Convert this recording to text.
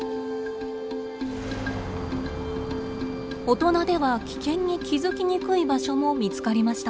大人では危険に気づきにくい場所も見つかりました。